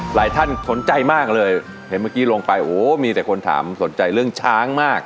หลายท่านสนใจมากเลยเห็นเมื่อกี้ลงไปโอ้มีแต่คนถามสนใจเรื่องช้างมาก